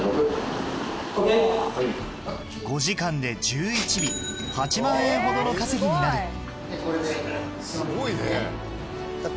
５時間で１１尾８万円ほどの稼ぎになるすごいね。